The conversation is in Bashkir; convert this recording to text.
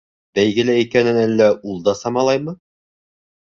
Бәйгелә икәнен әллә ул да самалаймы?